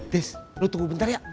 des lu tunggu bentar ya